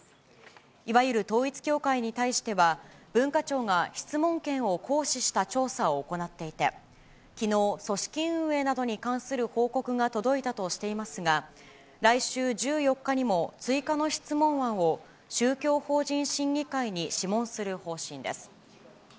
いわゆる統一教会に対しては、文化庁が質問権を行使した調査を行っていて、きのう、組織運営などに関する報告が届いたとしていますが、来週１４日にも、追加の質問案を、宗教法人審議会に諮問する方針です。